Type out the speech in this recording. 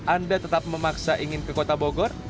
anda tetap memaksa ingin ke kota bogor